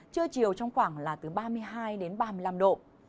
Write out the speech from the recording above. trưa chiều trong khoảng là từ ba mươi hai đến ba mươi năm độ